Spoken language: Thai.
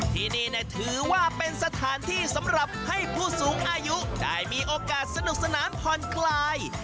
ที่นี่ถือว่าเป็นสถานที่สำหรับให้ผู้สูงอายุได้มีโอกาสสนุกสนานผ่อนคลาย